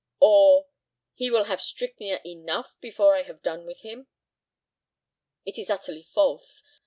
Or, "He will have strychnia enough before I have done with him?" It is utterly false.